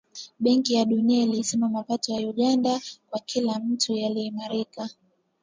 Benki ya Dunia ilisema mapato ya Uganda kwa kila mtu yaliimarika